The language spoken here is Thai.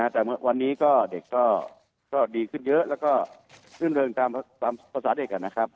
แต่วันนี้ก็เด็กก็ดีขึ้นเยอะแล้วก็รื่นเริงตามภาษาเด็กนะครับ